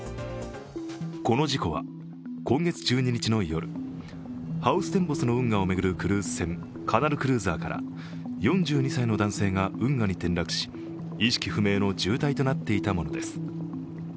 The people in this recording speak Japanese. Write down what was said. この事故は今月１２日の夜ハウステンボスの運河を巡るクルーズ船「カナルクルーザー」から４２歳の男性が運河に転落し意識不明の重体となっていたものです。